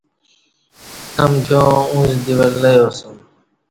امکیاں اݩڅ دی ولیاسوم